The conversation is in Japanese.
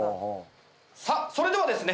さあそれではですね